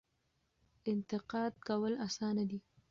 انتقاد کول اسانه دي.